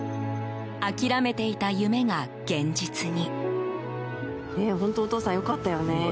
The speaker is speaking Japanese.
諦めていた夢が現実に。